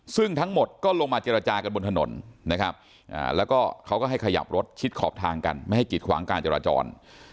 ซึ่งทั้งหมดก็ลงมาเจรจากันบนถนนนะครับแล้วก็เขาก็ให้ขยับรถชิดขอบทางกันไม่ให้กิดขวางการจราจร